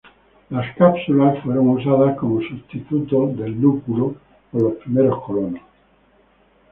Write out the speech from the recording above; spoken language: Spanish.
Las cápsulas fueron usadas como sustituto del lúpulo por los primeros colonos.